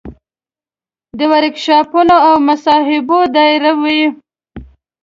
د ورکشاپونو او مصاحبو دایروي.